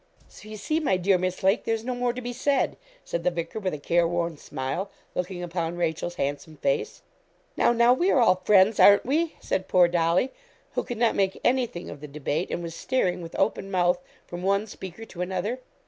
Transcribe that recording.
'So you see, my dear Miss Lake, there is no more to be said,' said the vicar, with a careworn smile, looking upon Rachel's handsome face. 'Now, now, we are all friends, aren't we?' said poor Dolly, who could not make anything of the debate, and was staring, with open mouth, from one speaker to another.